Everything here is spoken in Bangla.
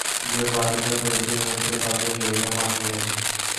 যে বালিটা ডেভলিন এনেছিল তাতে ইউরেনিয়াম আকরিক আছে।